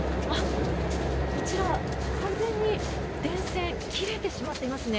こちら、完全に電線切れてしまっていますね。